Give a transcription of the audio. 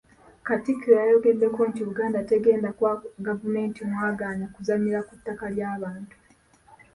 Katikkiro yayongeddeko nti Buganda tegenda kuwa gavumenti mwagaanya kuzannyira ku ttaka ly’abantu.